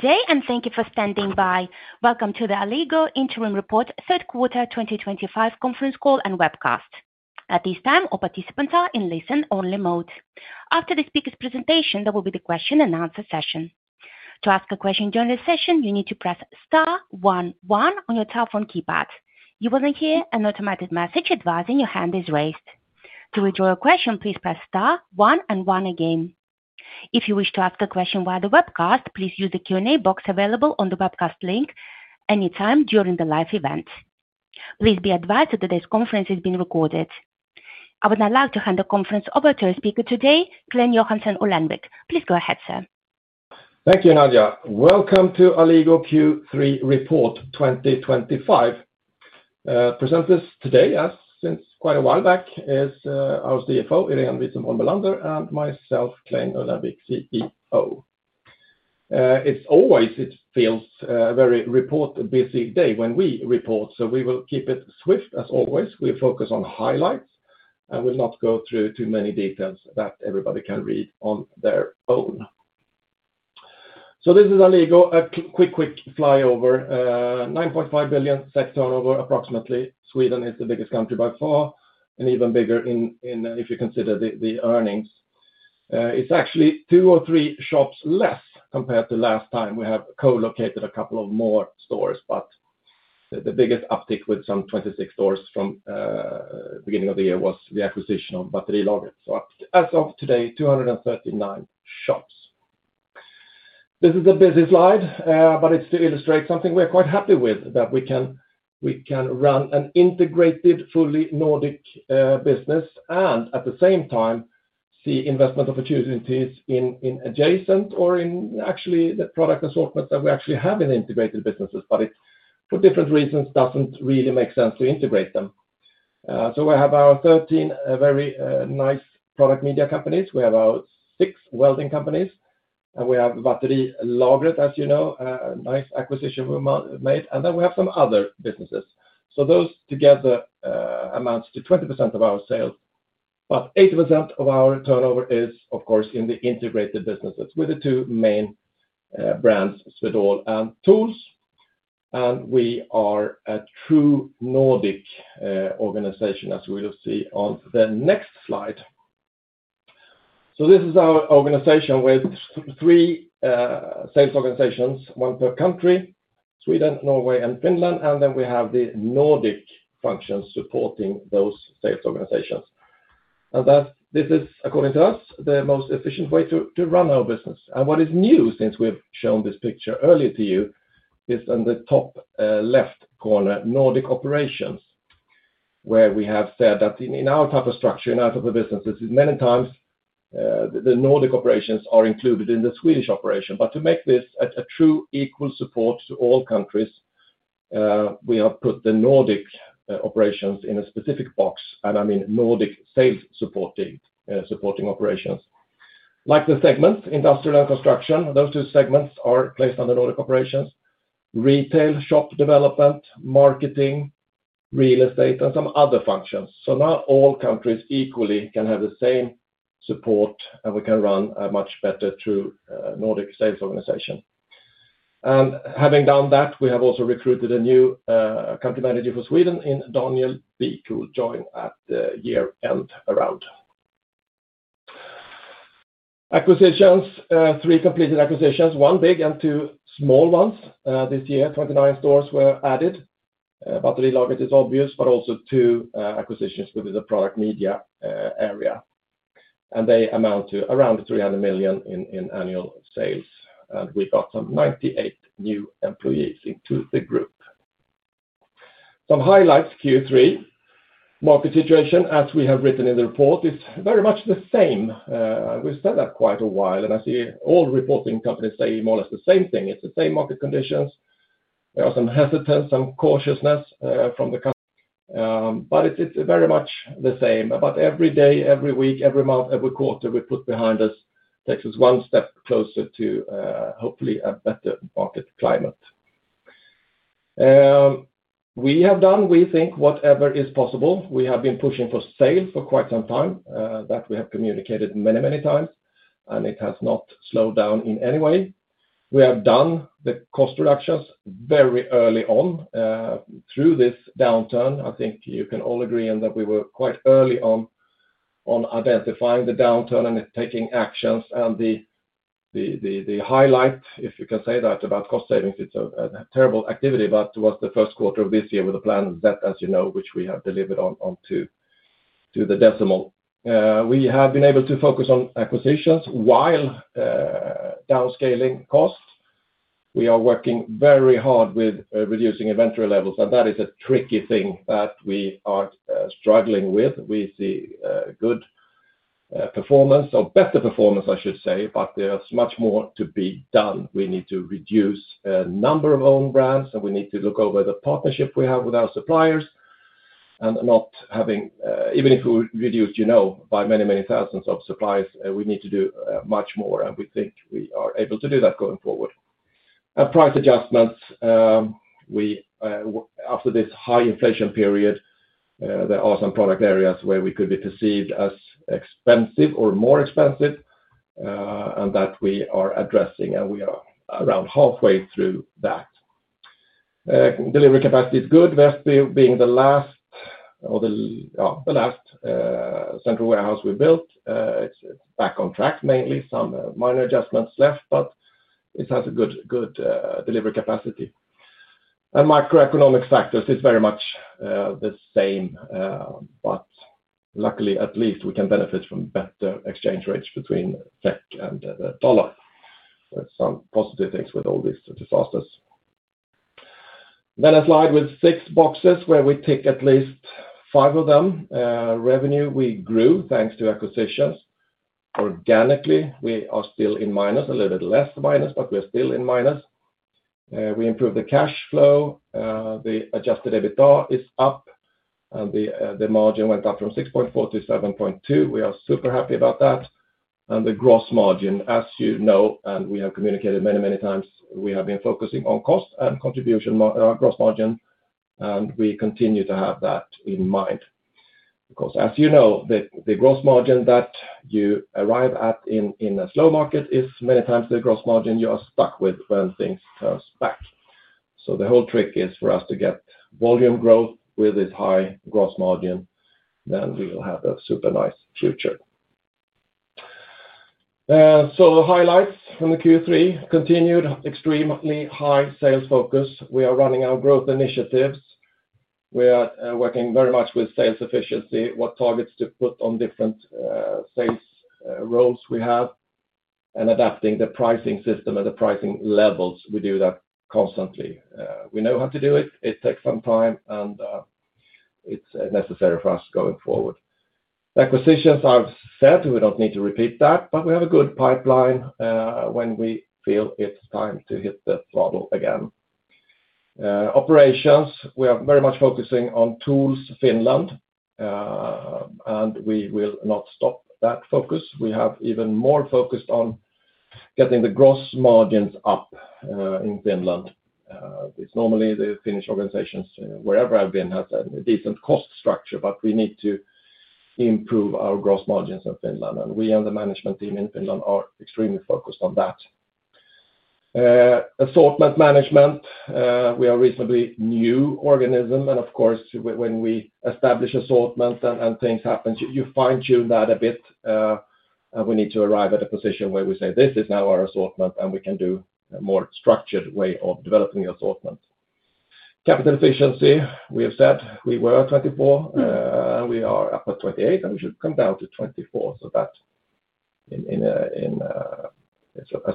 Today, and thank you for standing by. Welcome to the Alligo interim report third quarter 2025 conference call and webcast. At this time, all participants are in listen-only mode. After the speaker's presentation, there will be the question and answer session. To ask a question during the session, you need to press one one on your telephone keypad. You will then hear an automated message advising your hand is raised. To withdraw your question, please press one and one again. If you wish to ask a question via the webcast, please use the Q&A box available on the webcast link anytime during the live event. Please be advised that today's conference is being recorded. I would now like to hand the conference over to our speaker today, Clein Johansson Ullenvik. Please go ahead, sir. Thank you, Nadia. Welcome to Alligo Q3 report 2025. Presenters today, yes, since quite a while back, are our CFO, Irene Wisenborn Bellander, and myself, Clein Ullenvik, CEO. It always feels a very report-busy day when we report, so we will keep it swift, as always. We focus on highlights and will not go through too many details that everybody can read on their own. This is Alligo, a quick, quick flyover. 9.5 billion turnover, approximately. Sweden is the biggest country by far, and even bigger if you consider the earnings. It is actually two or three shops less compared to last time. We have co-located a couple of more stores, but the biggest uptick with some 26 stores from the beginning of the year was the acquisition of Battery Logic. As of today, 239 shops. This is a busy slide, but it is to illustrate something we are quite happy with, that we can run an integrated, fully Nordic business and at the same time see investment opportunities in adjacent or in actually the product assortments that we actually have in integrated businesses. For different reasons, it does not really make sense to integrate them. We have our 13 very nice product media companies, we have our six welding companies, and we have Battery Logic, as you know, a nice acquisition we made, and then we have some other businesses. Those together amount to 20% of our sales, but 80% of our turnover is, of course, in the integrated businesses with the two main brands, Swedol and TOOLS. We are a true Nordic organization, as we will see on the next slide. This is our organization with three sales organizations, one per country, Sweden, Norway, and Finland, and then we have the Nordic functions supporting those sales organizations. This is, according to us, the most efficient way to run our business. What is new since we have shown this picture earlier to you is on the top left corner, Nordic operations, where we have said that in our type of structure, in our type of businesses, many times the Nordic operations are included in the Swedish operation. To make this a true equal support to all countries, we have put the Nordic operations in a specific box, and I mean Nordic sales supporting operations. Like the segments, industrial and construction, those two segments are placed under Nordic operations, retail shop development, marketing, real estate, and some other functions. Now all countries equally can have the same support, and we can run much better through Nordic sales organizations. Having done that, we have also recruited a new Country Manager for Sweden, Daniel, who will join at the year-end round. Acquisitions: three completed acquisitions, one big and two small ones this year. Twenty-nine stores were added. Battery Logic is obvious, but also two acquisitions within the product media area. They amount to around 300 million in annual sales, and we got some 98 new employees into the group. Some highlights for Q3: the market situation, as we have written in the report, is very much the same. We've said that quite a while, and I see all reporting companies saying more or less the same thing. It's the same market conditions. There is some hesitance, some cautiousness from the market, but it's very much the same. Every day, every week, every month, every quarter we put behind us takes us one step closer to hopefully a better market climate. We have done, we think, whatever is possible. We have been pushing for sales for quite some time, that we have communicated many, many times, and it has not slowed down in any way. We have done the cost reductions very early on through this downturn. I think you can all agree that we were quite early on identifying the downturn and taking actions. The highlight, if you can say that, about cost savings—it's a terrible activity—but it was the first quarter of this year with a plan, as you know, which we have delivered on to the decimal. We have been able to focus on acquisitions while downscaling costs. We are working very hard with reducing inventory levels, and that is a tricky thing that we are struggling with. We see good performance, or better performance, I should say, but there's much more to be done. We need to reduce the number of owned brands, and we need to look over the partnership we have with our suppliers. Even if we reduce, you know, by many, many thousands of suppliers, we need to do much more, and we think we are able to do that going forward. Price adjustments, after this high inflation period, there are some product areas where we could be perceived as expensive or more expensive, and that we are addressing, and we are around halfway through that. Delivery capacity is good, Vestby being the last central warehouse we built. It's back on track mainly, some minor adjustments left, but it has a good delivery capacity. Microeconomic factors are very much the same, but luckily, at least we can benefit from better exchange rates between SEK and the dollar. There are some positive things with all these disasters. There is a slide with six boxes where we tick at least five of them. Revenue grew thanks to acquisitions. Organically, we are still in minus, a little bit less minus, but we're still in minus. We improved the cash flow. The adjusted EBITDA is up, and the margin went up from 6.4% to 7.2%. We are super happy about that. The gross margin, as you know, and we have communicated many, many times, we have been focusing on cost and contribution gross margin, and we continue to have that in mind. The gross margin that you arrive at in a slow market is many times the gross margin you are stuck with when things turn back. The whole trick is for us to get volume growth with this high gross margin, then we will have a super nice future. Highlights from Q3 include continued extremely high sales focus. We are running our growth initiatives. We are working very much with sales efficiency, what targets to put on different sales roles we have, and adapting the pricing system and the pricing levels. We do that constantly. We know how to do it. It takes some time, and it's necessary for us going forward. Acquisitions, I've said, we don't need to repeat that, but we have a good pipeline when we feel it's time to hit the throttle again. Operations, we are very much focusing on TOOLS Finland, and we will not stop that focus. We have even more focus on getting the gross margins up in Finland. Normally, the Finnish organizations, wherever I've been, have a decent cost structure, but we need to improve our gross margins in Finland. We and the management team in Finland are extremely focused on that. Assortment management, we are a reasonably new organism, and of course, when we establish assortment and things happen, you fine-tune that a bit. We need to arrive at a position where we say, "This is now our assortment," and we can do a more structured way of developing the assortment. Capital efficiency, we have said we were at 24, and we are up at 28, and we should come down to 24. That's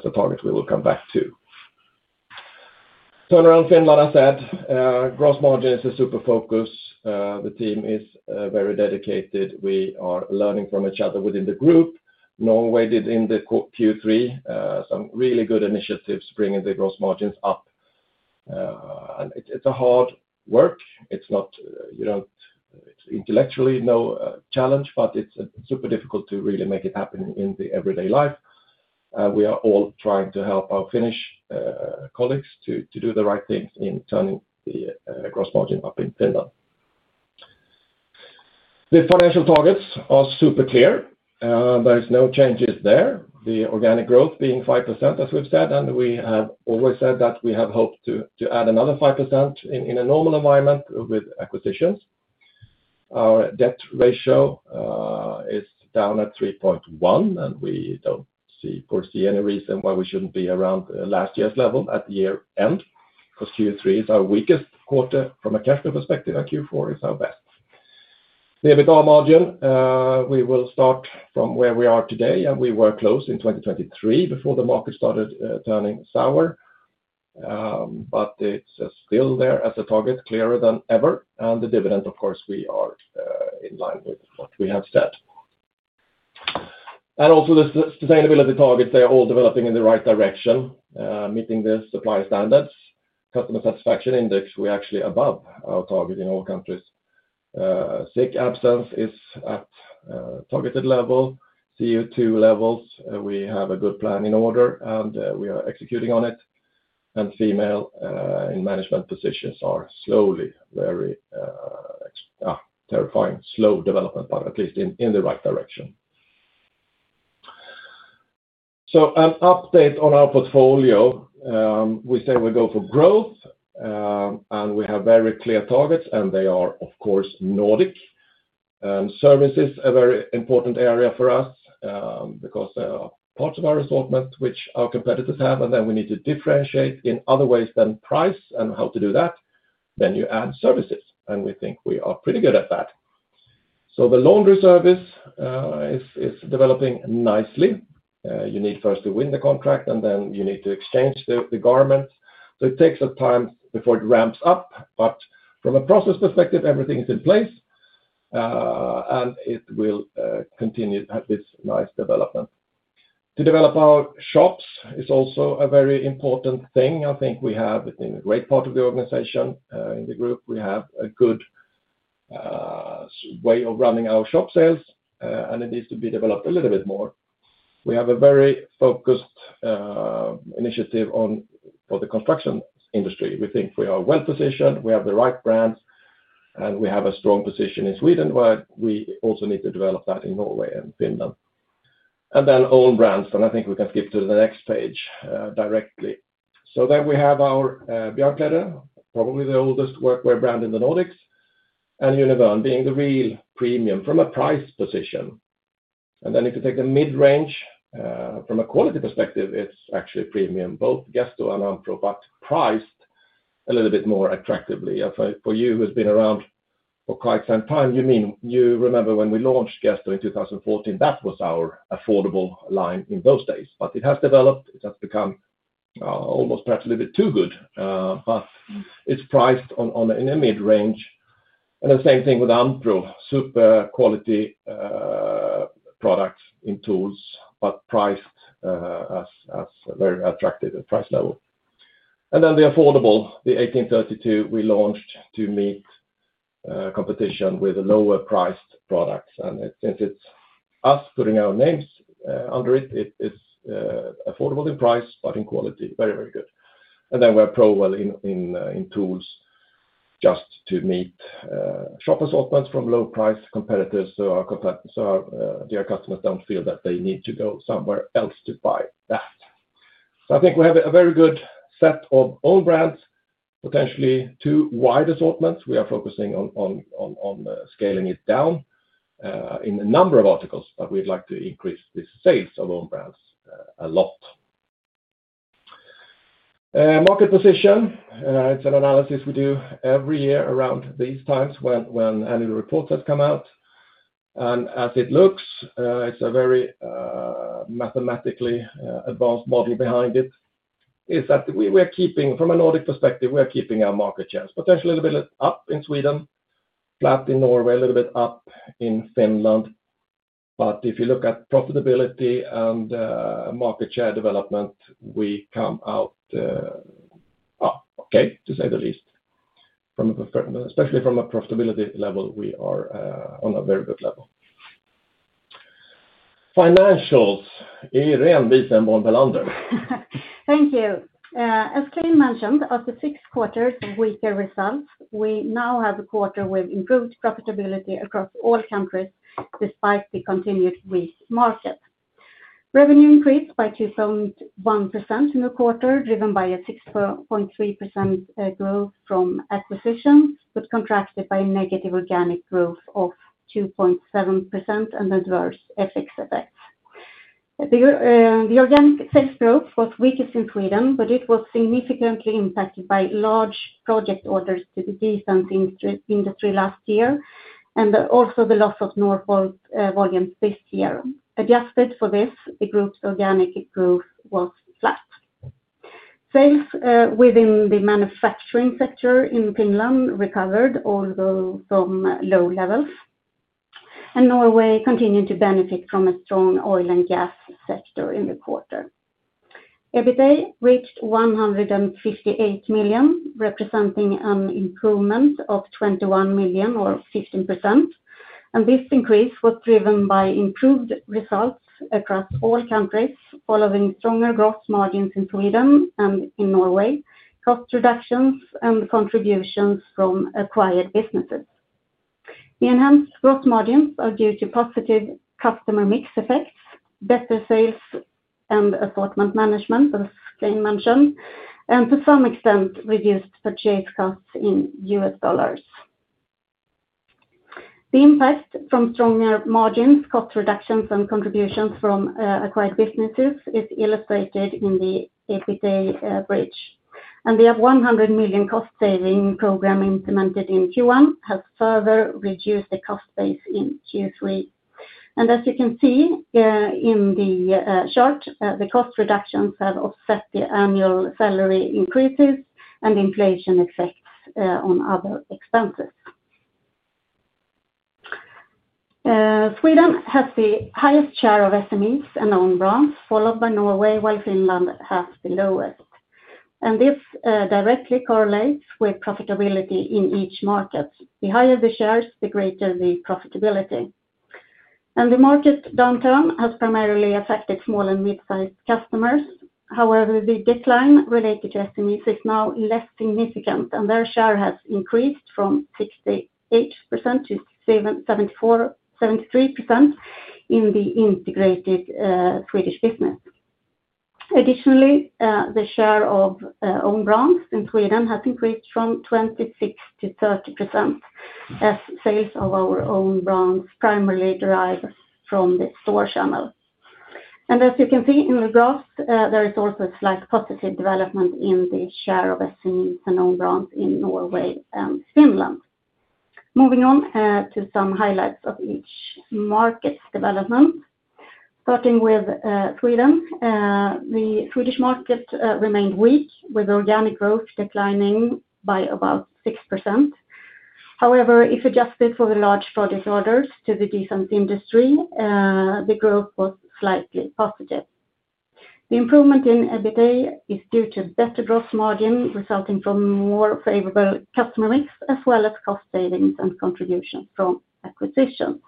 a target we will come back to. Turnaround Finland, gross margin is a super focus. The team is very dedicated. We are learning from each other within the group. Norway did in Q3 some really good initiatives bringing the gross margins up. It's hard work. It's not, you don't, it's intellectually no challenge, but it's super difficult to really make it happen in the everyday life. We are all trying to help our Finnish colleagues to do the right things in turning the gross margin up in Finland. The financial targets are super clear. There are no changes there. The organic growth being 5%, as we've said, and we have always said that we have hoped to add another 5% in a normal environment with acquisitions. Our debt ratio is down at 3.1, and we don't foresee any reason why we shouldn't be around last year's level at year end. Q3 is our weakest quarter from a cash flow perspective, and Q4 is our best. The EBITDA margin, we will start from where we are today, and we were close in 2023 before the market started turning sour. It's still there as a target, clearer than ever. The dividend, of course, we are in line with what we have said. The sustainability targets, they are all developing in the right direction, meeting the supply standards. Customer satisfaction index, we're actually above our target in all countries. Sick absence is at a targeted level. CO2 levels, we have a good plan in order, and we are executing on it. Female in management positions are slowly, very, terrifying, slow development, but at least in the right direction. An update on our portfolio. We say we go for growth, and we have very clear targets, and they are, of course, Nordic. Services are a very important area for us because there are parts of our assortment which our competitors have, and we need to differentiate in other ways than price and how to do that. You add services, and we think we are pretty good at that. The laundry service is developing nicely. You need first to win the contract, and then you need to exchange the garments. It takes a time before it ramps up, but from a process perspective, everything is in place, and it will continue this nice development. To develop our shops is also a very important thing. I think we have a great part of the organization in the group. We have a good way of running our shop sales, and it needs to be developed a little bit more. We have a very focused initiative for the construction industry. We think we are well-positioned. We have the right brands, and we have a strong position in Sweden, where we also need to develop that in Norway and Finland. Own brands, and I think we can skip to the next page directly. We have our Björnkläder, probably the oldest workwear brand in the Nordics, and Univern being the real premium from a price position. If you take the mid-range from a quality perspective, it's actually premium, both Gesto and Ampro, but priced a little bit more attractively. For you who have been around for quite some time, you remember when we launched Gesto in 2014, that was our affordable line in those days. It has developed. It has become almost perhaps a little bit too good, but it's priced in a mid-range. The same thing with Ampro, super quality products in TOOLS, but priced at a very attractive price level. The affordable, the 1832, we launched to meet competition with lower-priced products. Since it's us putting our names under it, it is affordable in price, but in quality, very, very good. We have Profeel in TOOLS just to meet shop assortments from low-priced competitors, so our customers don't feel that they need to go somewhere else to buy that. I think we have a very good set of own brands, potentially too wide assortments. We are focusing on scaling it down in a number of articles, but we'd like to increase the sales of own brands a lot. Market position, it's an analysis we do every year around these times when annual reports have come out. As it looks, it's a very mathematically advanced model behind it. From a Nordic perspective, we are keeping our market shares, potentially a little bit up in Sweden, flat in Norway, a little bit up in Finland. If you look at profitability and market share development, we come out okay, to say the least. Especially from a profitability level, we are on a very good level. Financials, Irene Wisenborn Bellander. Thank you. As Clein mentioned, after six quarters of weaker results, we now have a quarter with improved profitability across all countries despite the continued weak market. Revenue increased by 2.1% in the quarter, driven by a 6.3% growth from acquisitions, but contracted by a negative organic growth of 2.7% and adverse FX effects. The organic sales growth was weakest in Sweden, but it was significantly impacted by large project orders to the defense industry last year, and also the loss of Norfolk volumes this year. Adjusted for this, the group's organic growth was flat. Sales within the manufacturing sector in Finland recovered, although from low levels. Norway continued to benefit from a strong oil and gas sector in the quarter. EBITDA reached 158 million, representing an improvement of 21 million or 15%. This increase was driven by improved results across all countries, following stronger gross margins in Sweden and in Norway, cost reductions, and contributions from acquired businesses. The enhanced gross margins are due to positive customer mix effects, better sales and assortment management, as Clein mentioned, and to some extent reduced purchase costs in U.S. dollars. The impact from stronger margins, cost reductions, and contributions from acquired businesses is illustrated in the EBITDA bridge. The 100 million cost-saving program implemented in Q1 has further reduced the cost base in Q3. As you can see in the chart, the cost reductions have offset the annual salary increases and inflation effects on other expenses. Sweden has the highest share of SMEs and own brands, followed by Norway, while Finland has the lowest. This directly correlates with profitability in each market. The higher the shares, the greater the profitability. The market downturn has primarily affected small and mid-sized customers. However, the decline related to SMEs is now less significant, and their share has increased from 68% to 73% in the integrated Swedish business. Additionally, the share of own brands in Sweden has increased from 26% to 30%, as sales of our own brands primarily derive from the store channel. As you can see in the graphs, there is also a slight positive development in the share of SMEs and own brands in Norway and Finland. Moving on to some highlights of each market's development. Starting with Sweden, the Swedish market remained weak, with organic growth declining by about 6%. However, if adjusted for the large project orders to the defense industry, the growth was slightly positive. The improvement in EBITDA is due to better gross margin resulting from more favorable customer mix, as well as cost savings and contributions from acquisitions.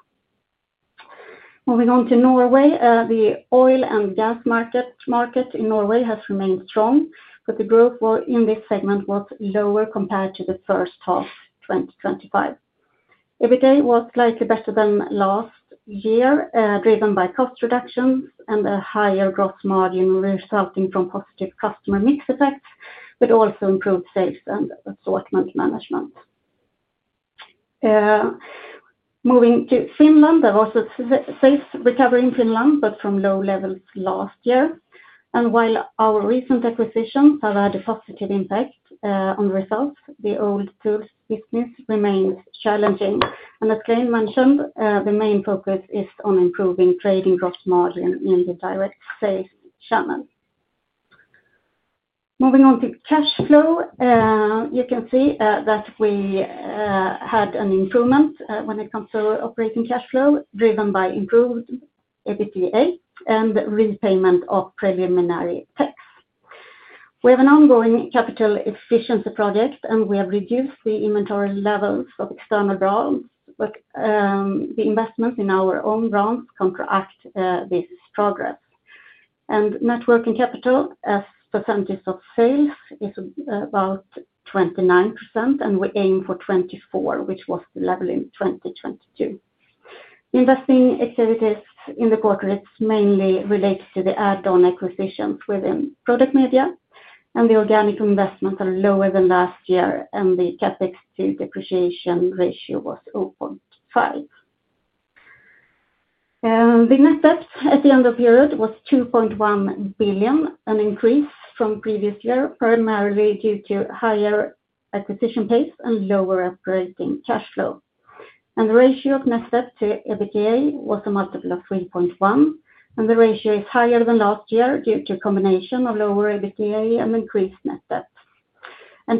Moving on to Norway, the oil and gas market in Norway has remained strong, but the growth in this segment was lower compared to the first half of 2025. EBITDA was slightly better than last year, driven by cost reductions and a higher gross margin resulting from positive customer mix effects, but also improved sales and assortment management. Moving to Finland, there was a sales recovery in Finland, but from low levels last year. While our recent acquisitions have had a positive impact on the results, the old TOOLS business remains challenging. As Clein mentioned, the main focus is on improving trading gross margin in the direct sales channel. Moving on to cash flow, you can see that we had an improvement when it comes to operating cash flow, driven by improved EBITDA and repayment of preliminary tax. We have an ongoing capital efficiency project, and we have reduced the inventory levels of external brands, but the investments in our own brands counteract this progress. Networking capital, as percentage of sales, is about 29%, and we aim for 24%, which was the level in 2022. Investing activities in the quarter mainly relate to the add-on acquisitions within product media, and the organic investments are lower than last year, and the CapEx to Depreciation ratio was 0.5. The net debt at the end of the period was 2.1 billion, an increase from previous year, primarily due to higher acquisition pace and lower operating cash flow. The ratio of net debt to EBITDA was a multiple of 3.1x, and the ratio is higher than last year due to a combination of lower EBITDA and increased net debt.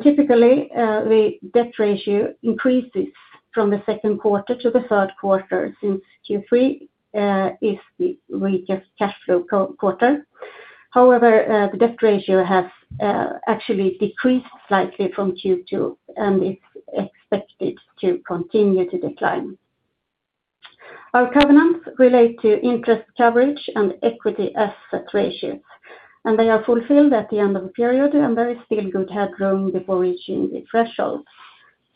Typically, the debt ratio increases from the second quarter to the third quarter since Q3 is the weaker cash flow quarter. However, the debt ratio has actually decreased slightly from Q2, and it's expected to continue to decline. Our covenants relate to interest coverage and equity asset ratios, and they are fulfilled at the end of the period, and there is still good headroom before reaching the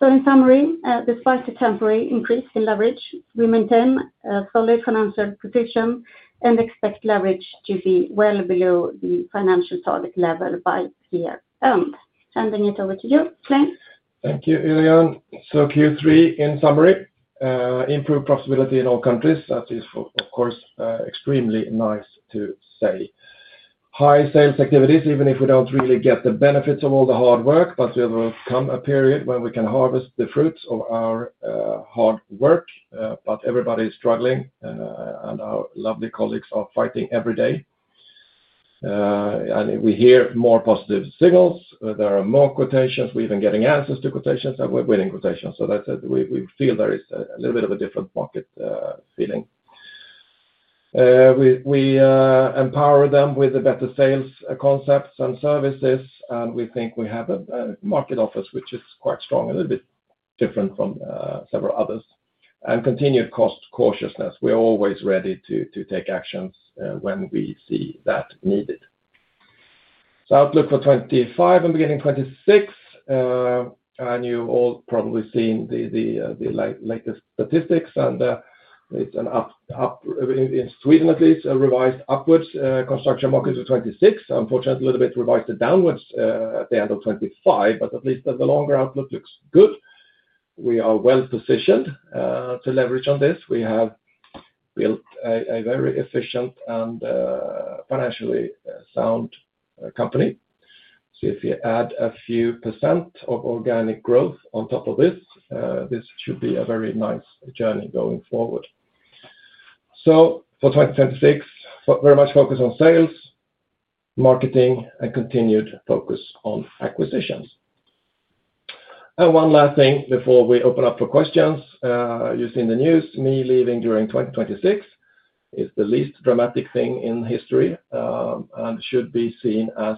threshold. In summary, despite the temporary increase in leverage, we maintain a solid financial position and expect leverage to be well below the financial target level by year end. Handing it over to you, Clein. Thank you, Irene. Q3, in summary, improved profitability in all countries. That is, of course, extremely nice to say. High sales activities, even if we don't really get the benefits of all the hard work, but there will come a period when we can harvest the fruits of our hard work. Everybody is struggling, and our lovely colleagues are fighting every day. We hear more positive signals. There are more quotations. We're even getting answers to quotations, and we're winning quotations. That's it. We feel there is a little bit of a different market feeling. We empower them with better sales concepts and services, and we think we have a market office which is quite strong, a little bit different from several others. Continued cost cautiousness. We are always ready to take actions when we see that needed. Outlook for 2025 and beginning 2026, and you've all probably seen the latest statistics, and it's an up, in Sweden at least, a revised upwards construction market for 2026. Unfortunately, a little bit revised downwards at the end of 2025, but at least the longer outlook looks good. We are well-positioned to leverage on this. We have built a very efficient and financially sound company. If we add a few percent of organic growth on top of this, this should be a very nice journey going forward. For 2026, very much focused on sales, marketing, and continued focus on acquisitions. One last thing before we open up for questions. You've seen the news. Me leaving during 2026 is the least dramatic thing in history and should be seen as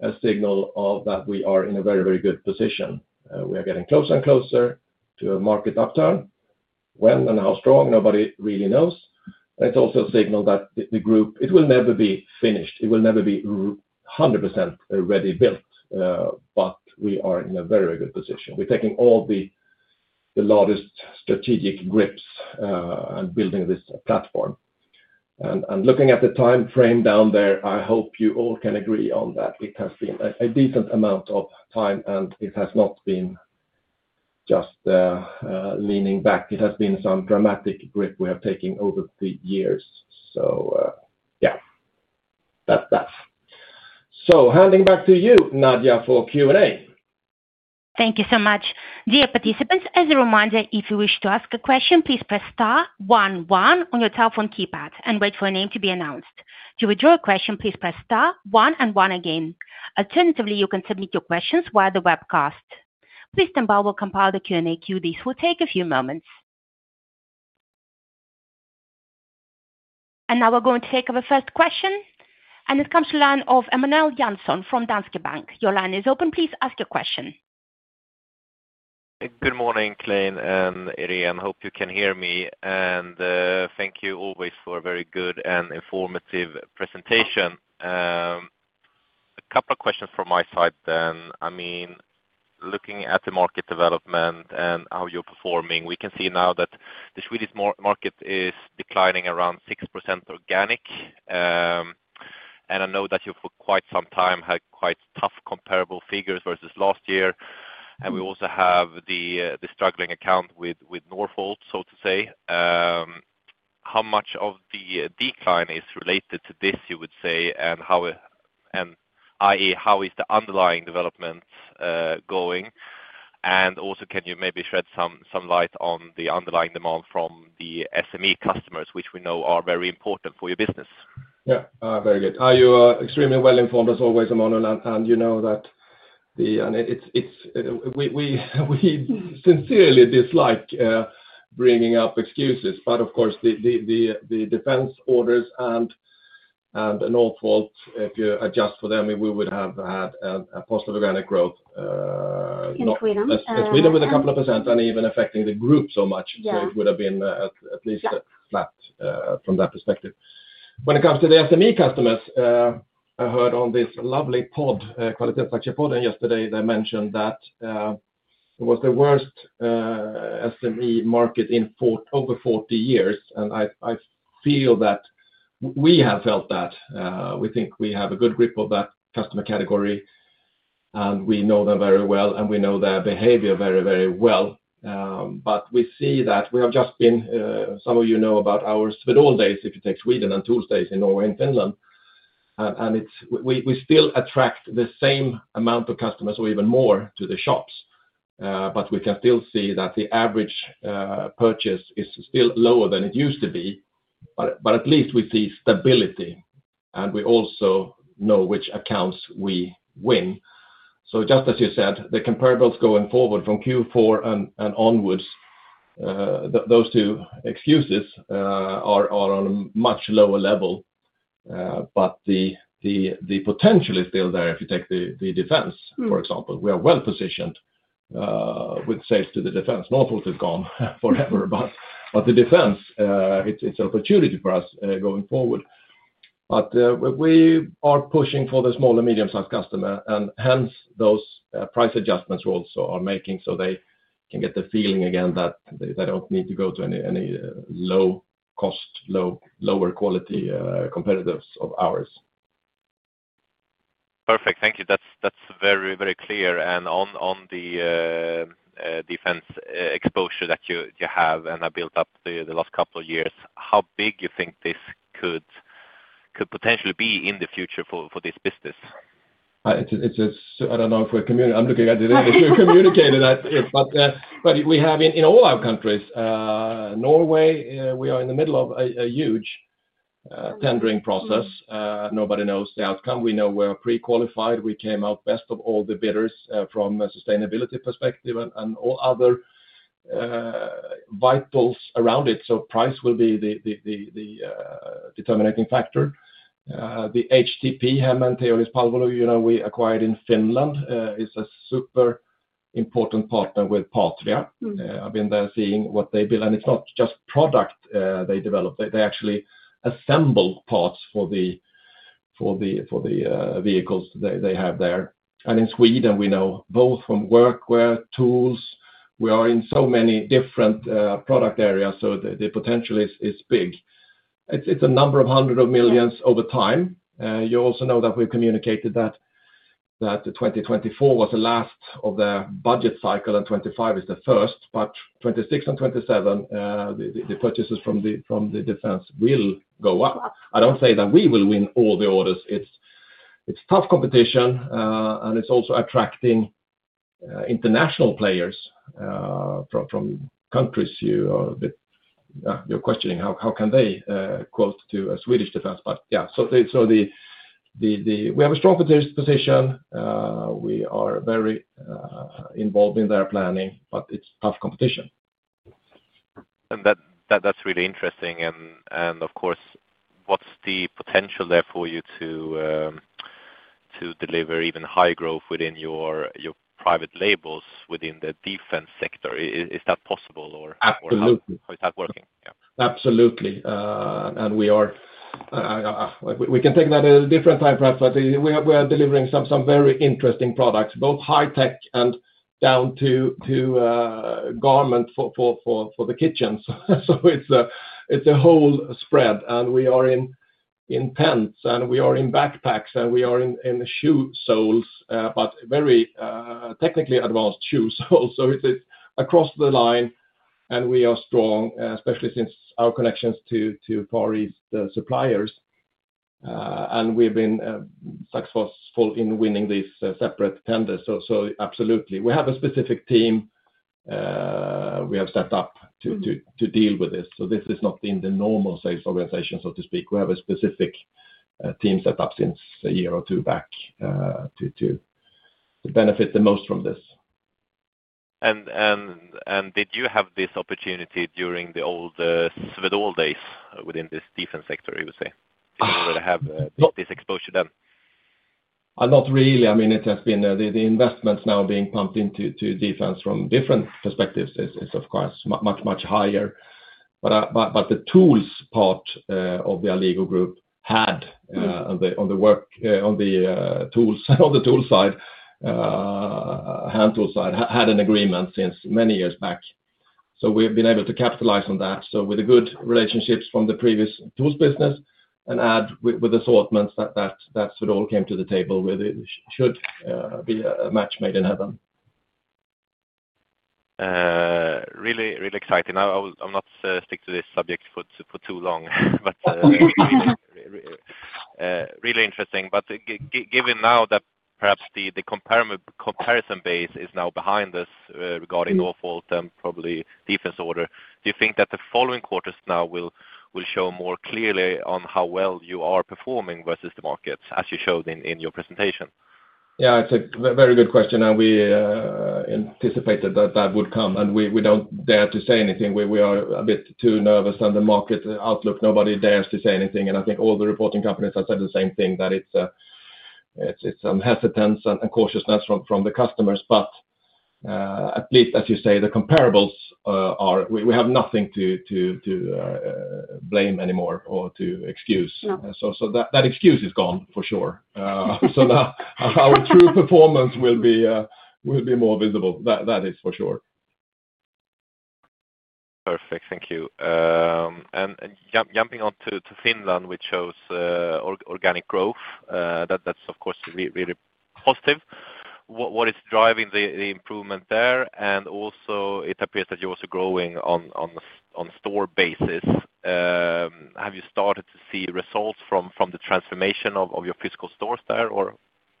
a signal that we are in a very, very good position. We are getting closer and closer to a market upturn. When and how strong, nobody really knows. It is also a signal that the group, it will never be finished. It will never be 100% ready built, but we are in a very, very good position. We're taking all the largest strategic grips and building this platform. Looking at the time frame down there, I hope you all can agree that it has been a decent amount of time, and it has not been just leaning back. It has been some dramatic grip we have taken over the years. That's that. Handing back to you, Nadia, for Q&A. Thank you so much. Dear participants, as a reminder, if you wish to ask a question, please press one one on your telephone keypad and wait for a name to be announced. To withdraw a question, please press one and one again. Alternatively, you can submit your questions via the webcast. Kristin Hallbäck will compile the Q&A queue. This will take a few moments. Now we're going to take our first question, and it comes to the line of Emanuel Jansson from Danske Bank. Your line is open. Please ask your question. Good morning, Clein and Irene. Hope you can hear me. Thank you always for a very good and informative presentation. A couple of questions from my side. I mean, looking at the market development and how you're performing, we can see now that the Swedish market is declining around 6% organic. I know that you for quite some time had quite tough comparable figures versus last year. We also have the struggling account with Norfolk, so to say. How much of the decline is related to this, you would say, i.e., how is the underlying development going? Also, can you maybe shed some light on the underlying demand from the SME customers, which we know are very important for your business? Yeah, very good. You are extremely well informed, as always, Emanuel. You know that we sincerely dislike bringing up excuses. Of course, the defense orders and Norway, if you adjust for them, we would have had a positive organic growth. In Sweden. In Sweden with a couple of percent, uneven affecting the group so much. It would have been at least flat from that perspective. When it comes to the SME customers, I heard on this lovely pod, Kvalitetsaktiepodden yesterday, they mentioned that it was the worst SME market in over 40 years. I feel that we have felt that. We think we have a good grip of that customer category, and we know them very well, and we know their behavior very, very well. We see that we have just been, some of you know about our Swedol days if you take Sweden and TOOLS days in Norway and Finland. We still attract the same amount of customers or even more to the shops. We can still see that the average purchase is still lower than it used to be. At least we see stability, and we also know which accounts we win. Just as you said, the comparables going forward from Q4 and onwards, those two excuses are on a much lower level. The potential is still there if you take the defense, for example. We are well positioned with sales to the defense. Norfolk has gone forever, but the defense, it's an opportunity for us going forward. We are pushing for the small and medium-sized customer, and hence those price adjustments we also are making so they can get the feeling again that they don't need to go to any low-cost, lower-quality competitors of ours. Perfect. Thank you. That's very, very clear. On the defense exposure that you have and have built up the last couple of years, how big do you think this could potentially be in the future for this business? I don't know if we're communicating. I'm looking at it as if we're communicating that. We have in all our countries, Norway, we are in the middle of a huge tendering process. Nobody knows the outcome. We know we're pre-qualified. We came out best of all the bidders from a sustainability perspective and all other vitals around it. Price will be the determining factor. The HTP, Hämeen Teollisuuspalvelu, we acquired in Finland, is a super important partner with Patria. I've been there seeing what they build, and it's not just product they develop. They actually assemble parts for the vehicles they have there. In Sweden, we know both from workwear, tools. We are in so many different product areas, so the potential is big. It's a number of hundreds of millions over time. You also know that we've communicated that 2024 was the last of the budget cycle, and 2025 is the first. 2026 and 2027, the purchases from the defense will go up. I don't say that we will win all the orders. It's tough competition, and it's also attracting international players from countries you're a bit you're questioning how can they quote to a Swedish defense. We have a strong position. We are very involved in their planning, but it's tough competition. That is really interesting. Of course, what is the potential there for you to deliver even higher growth within your private labels within the defense sector? Is that possible? Absolutely. How is that working? Absolutely. We can take that at a different time, perhaps, but we are delivering some very interesting products, both high-tech and down to garment for the kitchen. It's a whole spread. We are in pants, backpacks, and shoe soles, but very technically advanced shoe soles. It's across the line, and we are strong, especially since our connections to Paris suppliers. We've been successful in winning these separate tenders. We have a specific team we have set up to deal with this. This is not in the normal sales organization, so to speak. We have a specific team set up since a year or two back to benefit the most from this. Did you have this opportunity during the old Swedol days within this defense sector, you would say? Did you already have this exposure then? Not really. I mean, it has been the investments now being pumped into defense from different perspectives, is, of course, much, much higher. The TOOLS part of the Alligo Group had, on the tools side, hand tool side, had an agreement since many years back. We've been able to capitalize on that. With the good relationships from the previous TOOLS business and adding assortments that Swedol came to the table with, it should be a match made in heaven. Really, really exciting. I'll not stick to this subject for too long, but really interesting. Given now that perhaps the comparison base is now behind us regarding Norfolk and probably defense order, do you think that the following quarters now will show more clearly on how well you are performing versus the markets, as you showed in your presentation? Yeah, it's a very good question. We anticipated that would come, and we don't dare to say anything. We are a bit too nervous on the market outlook. Nobody dares to say anything. I think all the reporting companies have said the same thing, that it's some hesitance and cautiousness from the customers. At least, as you say, the comparables are, we have nothing to blame anymore or to excuse. That excuse is gone for sure. Now our true performance will be more visible. That is for sure. Perfect. Thank you. Jumping on to Finland, which shows organic growth, that's, of course, really positive. What is driving the improvement there? It appears that you're also growing on a store basis. Have you started to see results from the transformation of your physical stores there,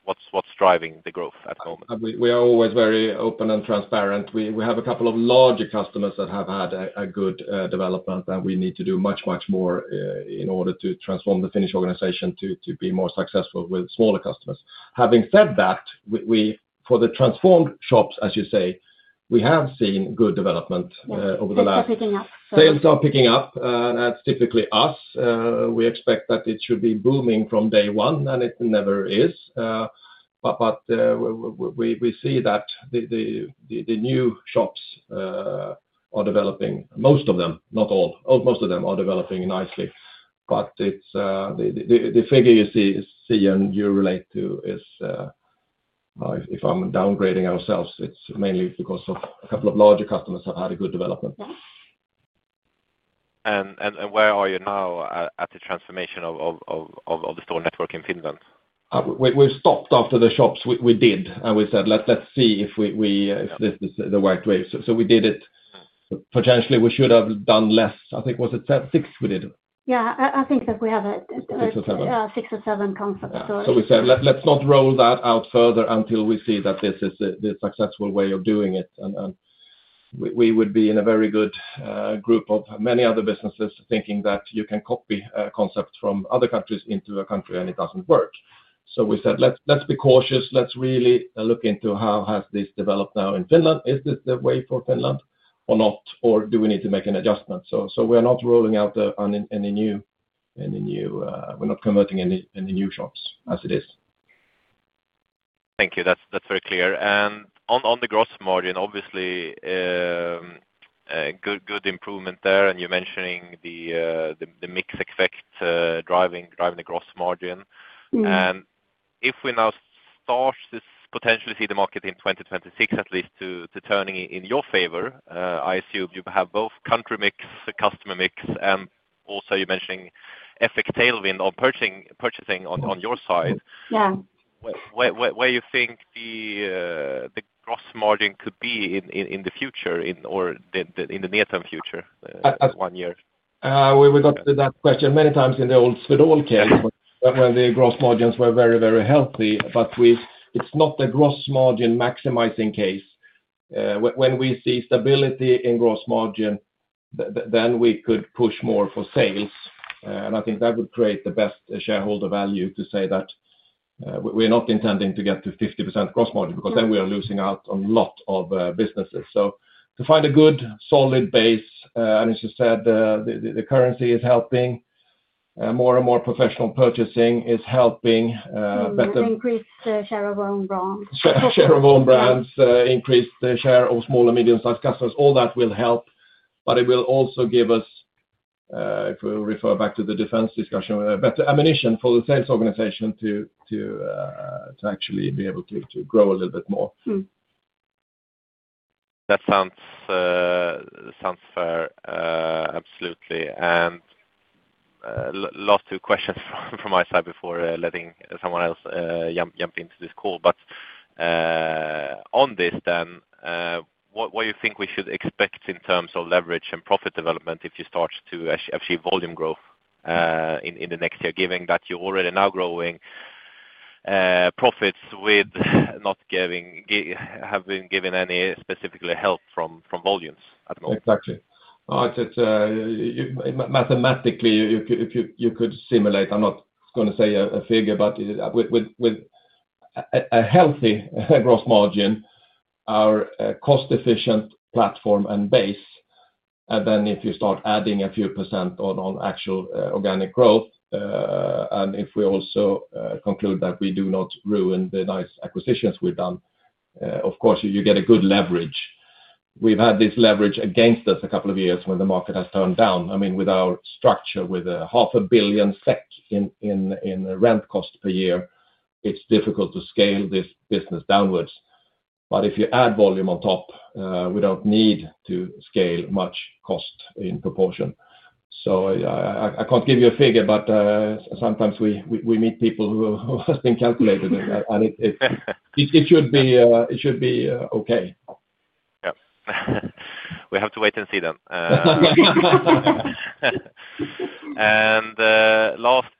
or what's driving the growth at the moment? We are always very open and transparent. We have a couple of larger customers that have had a good development, and we need to do much, much more in order to transform the Finnish organization to be more successful with smaller customers. Having said that, for the transformed shops, as you say, we have seen good development over the last. Sales are picking up. Sales are picking up. That's typically us. We expect that it should be booming from day one, and it never is. We see that the new shops are developing. Most of them, not all, most of them are developing nicely. The figure you see and you relate to is, if I'm downgrading ourselves, it's mainly because a couple of larger customers have had a good development. Where are you now at the transformation of the store network in Finland? We've stopped after the shops. We did, and we said, let's see if this is the right way. We did it. Potentially, we should have done less. I think, was it six we did? Yeah, I think that we have six or seven concepts. We said, let's not roll that out further until we see that this is the successful way of doing it. We would be in a very good group of many other businesses thinking that you can copy a concept from other countries into a country and it doesn't work. We said, let's be cautious. Let's really look into how has this developed now in Finland. Is this the way for Finland or not, or do we need to make an adjustment? We're not rolling out any new, we're not converting any new shops as it is. Thank you. That's very clear. On the gross margin, obviously, good improvement there. You're mentioning the mix effect driving the gross margin. If we now start to potentially see the market in 2026, at least turning in your favor, I assume you have both country mix, customer mix, and also you're mentioning FX tailwind on purchasing on your side. Yeah. Where do you think the gross margin could be in the future or in the near-term future? One year? We got to that question many times in the old Swedol case when the gross margins were very, very healthy. It's not the gross margin maximizing case. When we see stability in gross margin, we could push more for sales. I think that would create the best shareholder value to say that we're not intending to get to 50% gross margin because then we are losing out on a lot of businesses. To find a good, solid base, and as you said, the currency is helping. More and more professional purchasing is helping. Increased share of own brands. Share of own brands, increased share of small and medium-sized customers, all that will help. It will also give us, if we refer back to the defense discussion, better ammunition for the sales organization to actually be able to grow a little bit more. That sounds fair. Absolutely. Last two questions from my side before letting someone else jump into this call. On this then, what do you think we should expect in terms of leverage and profit development if you start to achieve volume growth in the next year, given that you're already now growing profits with not having given any specifically help from volumes at the moment? Exactly. Mathematically, if you could simulate, I'm not going to say a figure, but with a healthy gross margin, our cost-efficient platform and base, and then if you start adding a few percent on actual organic growth, and if we also conclude that we do not ruin the nice acquisitions we've done, of course, you get a good leverage. We've had this leverage against us a couple of years when the market has turned down. I mean, with our structure, with 0.5 billion SEK in rent cost per year, it's difficult to scale this business downwards. If you add volume on top, we don't need to scale much cost in proportion. I can't give you a figure, but sometimes we meet people who have just been calculated, and it should be okay. Yeah. We have to wait and see. Last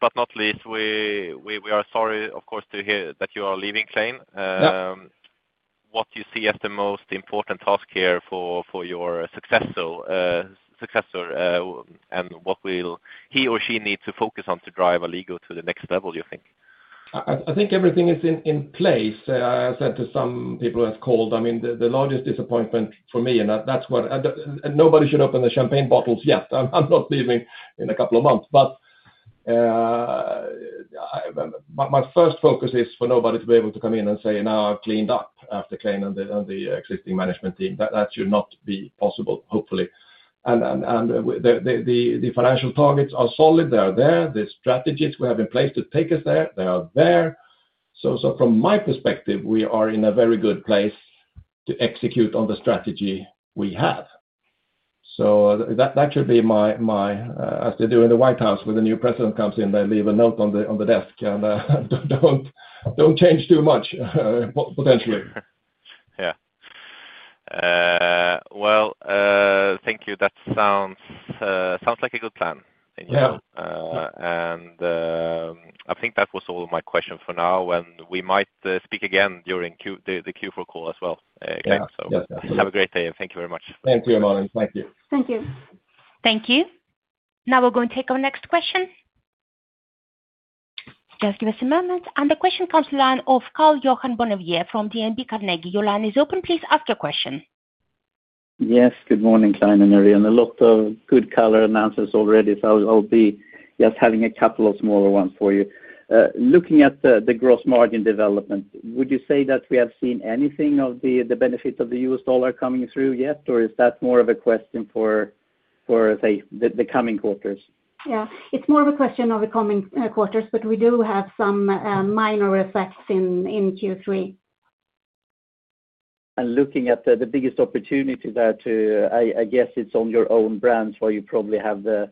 but not least, we are sorry, of course, to hear that you are leaving, Clein. What do you see as the most important task here for your successor, and what will he or she need to focus on to drive Alligo to the next level, do you think? I think everything is in place. I said to some people who have called, the largest disappointment for me, and that's what nobody should open the champagne bottles yet. I'm not leaving in a couple of months. My first focus is for nobody to be able to come in and say, "Now I've cleaned up after Clein and the existing management team." That should not be possible, hopefully. The financial targets are solid. They are there. The strategies we have in place to take us there, they are there. From my perspective, we are in a very good place to execute on the strategy we have. That should be my, as they do in the White House, when the new president comes in, they leave a note on the desk and don't change too much, potentially. Thank you. That sounds like a good plan in general. Yeah. I think that was all of my questions for now. We might speak again during the Q4 call as well, Clein. Yes. Have a great day, and thank you very much. Same to you, Emmanuel. Thank you. Thank you. Thank you. Now we're going to take our next question. Just give us a moment. The question comes to the line of Karl-Johan Bonnevier from DNB Carnegie. Your line is open. Please ask your question. Yes. Good morning, Clein and Irene. A lot of good color announcements already. I'll be just having a couple of smaller ones for you. Looking at the gross margin development, would you say that we have seen anything of the benefit of the U.S. dollar coming through yet, or is that more of a question for, say, the coming quarters? It's more of a question of the coming quarters, but we do have some minor effects in Q3. Looking at the biggest opportunity there, I guess it's on your own brands where you probably have the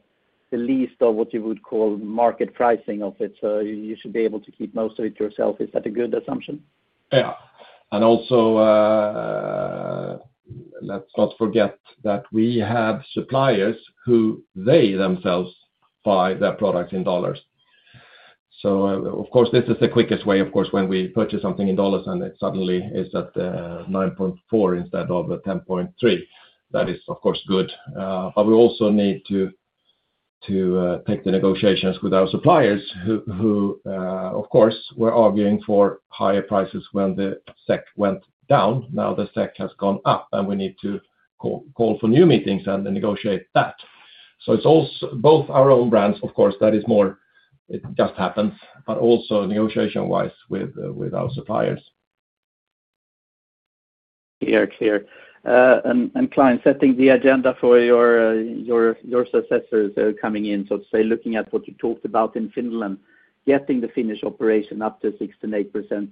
least of what you would call market pricing of it. You should be able to keep most of it yourself. Is that a good assumption? Yeah. Also, let's not forget that we have suppliers who themselves buy their products in dollars. This is the quickest way, of course, when we purchase something in dollars, and it suddenly is at $9.40 instead of $10.30. That is, of course, good. We also need to take the negotiations with our suppliers who were arguing for higher prices when the SEK went down. Now the SEK has gone up, and we need to call for new meetings and negotiate that. It's also both our own brands, of course, that is more, it just happens, but also negotiation-wise with our suppliers. Clear, clear. And Clein, setting the agenda for your successors coming in, so to say, looking at what you talked about in Finland, getting the Finnish operation up to 68%.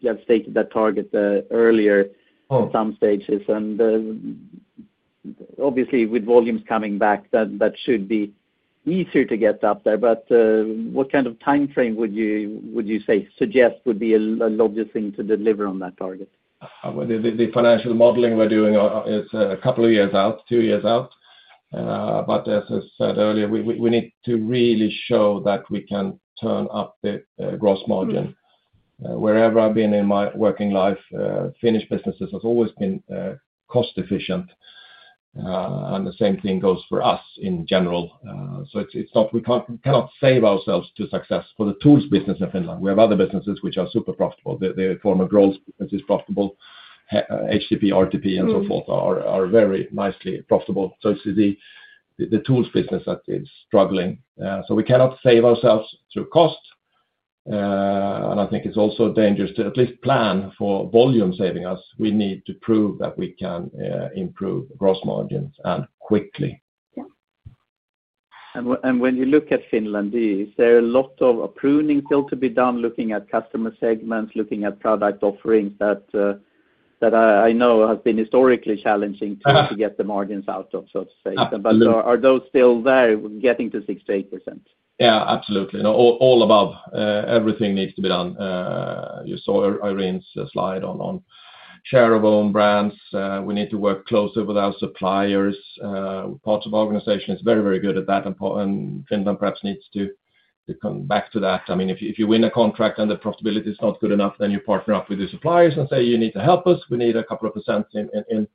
You have stated that target earlier in some stages. Obviously, with volumes coming back, that should be easier to get up there. What kind of timeframe would you say suggest would be a logical thing to deliver on that target? The financial modeling we're doing, it's a couple of years out, two years out. As I said earlier, we need to really show that we can turn up the gross margin. Wherever I've been in my working life, Finnish businesses have always been cost-efficient. The same thing goes for us in general. It is not that we cannot save ourselves to success for the TOOLS business in Finland. We have other businesses which are super profitable. The former Grolls business is profitable. HTP, RTP, and so forth are very nicely profitable. It is the TOOLS business that is struggling. We cannot save ourselves through cost. I think it's also dangerous to at least plan for volume saving us. We need to prove that we can improve gross margins and quickly. When you look at Finland, is there a lot of pruning still to be done, looking at customer segments, looking at product offerings that I know have been historically challenging to get the margins out of, so to say? Are those still there, getting to 68%? Yeah, absolutely. All above. Everything needs to be done. You saw Irene's slide on share of own brands. We need to work closer with our suppliers. Parts of our organization are very, very good at that. Finland perhaps needs to come back to that. I mean, if you win a contract and the profitability is not good enough, you partner up with your suppliers and say, "You need to help us. We need a couple of percent in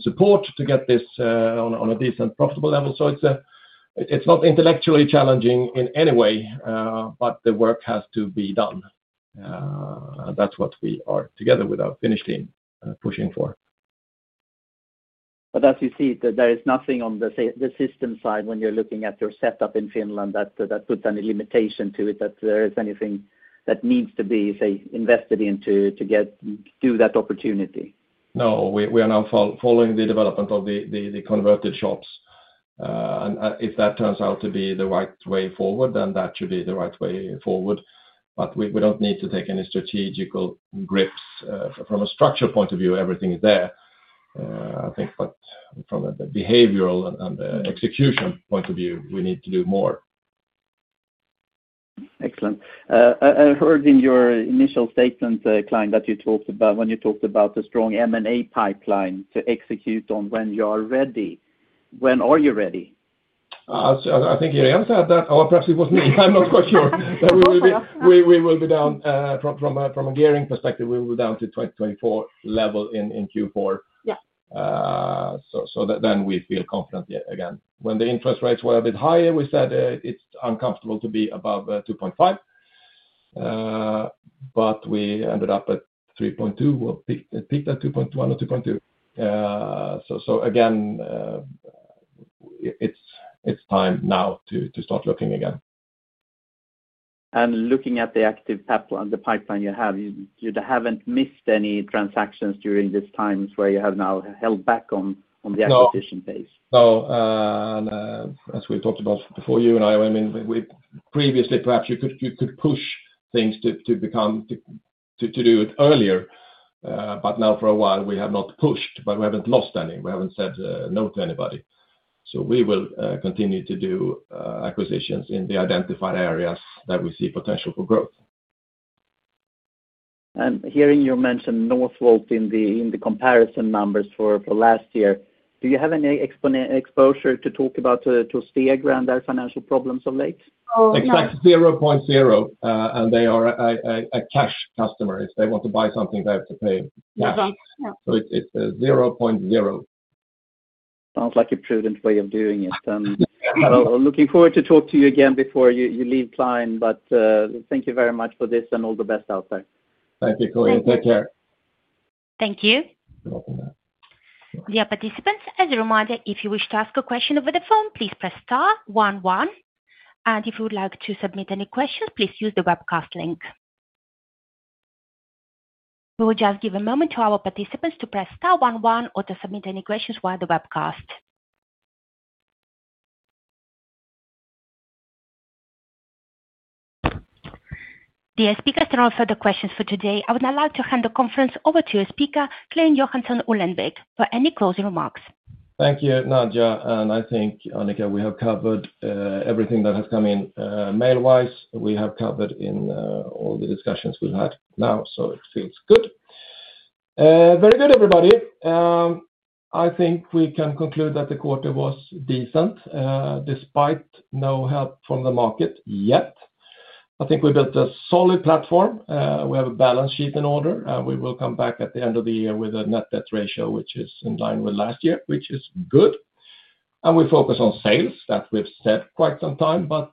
support to get this on a decent profitable level." It is not intellectually challenging in any way, but the work has to be done. That is what we are together with our Finnish team pushing for. As you see, there is nothing on the system side when you're looking at your setup in Finland that puts any limitation to it, that there is anything that needs to be, say, invested in to do that opportunity. We are now following the development of the converted shops. If that turns out to be the right way forward, that should be the right way forward. We don't need to take any strategical grips. From a structure point of view, everything is there, I think. From a behavioral and execution point of view, we need to do more. Excellent. I heard in your initial statement, Clein, that you talked about a strong M&A pipeline to execute on when you are ready. When are you ready? I think Irene said that, or perhaps it was me. I'm not quite sure. I think we're up. We will be down from a gearing perspective, we will be down to 2024 level in Q4. Yeah. We feel confident again. When the interest rates were a bit higher, we said it's uncomfortable to be above 2.5, but we ended up at 3.2. We'll pick that 2.1 or 2.2. It's time now to start looking again. Looking at the active pipeline you have, you haven't missed any transactions during these times where you have now held back on the acquisition phase. No. As we talked about before, you and I, I mean, we previously perhaps you could push things to do it earlier. Now for a while, we have not pushed, but we haven't lost any. We haven't said no to anybody. We will continue to do acquisitions in the identified areas that we see potential for growth. I'm hearing you mention Norway in the comparison numbers for last year. Do you have any exposure to talk about to Steglen, their financial problems of late? Exactly. 0.0. They are a cash customer. If they want to buy something, they have to pay cash. Exactly. It is 0.0. Sounds like a prudent way of doing it. I'm looking forward to talking to you again before you leave, Clein. Thank you very much for this and all the best out there. Thank you, Clein. Take care. Thank you. You're welcome there. Yeah. Participants, as a reminder, if you wish to ask a question over the phone, please press one one. If you would like to submit any questions, please use the webcast link. We will just give a moment to our participants to press one one or to submit any questions via the webcast. The speakers don't have further questions for today. I would now like to hand the conference over to your speaker, Clein Johansson Ullenvik, for any closing remarks. Thank you, Nadia. I think, Annika, we have covered everything that has come in mail-wise. We have covered in all the discussions we've had now. It feels good. Very good, everybody. I think we can conclude that the quarter was decent despite no help from the market yet. I think we built a solid platform. We have a balance sheet in order, and we will come back at the end of the year with a net debt ratio, which is in line with last year, which is good. We focus on sales. That we've said quite some time, but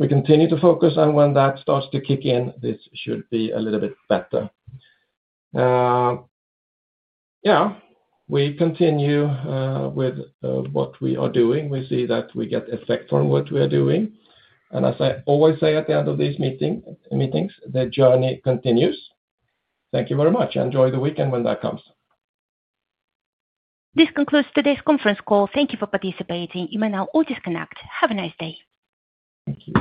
we continue to focus. When that starts to kick in, this should be a little bit better. We continue with what we are doing. We see that we get effect from what we are doing. As I always say at the end of these meetings, the journey continues. Thank you very much. Enjoy the weekend when that comes. This concludes today's conference call. Thank you for participating. You may now all disconnect. Have a nice day. Thank you.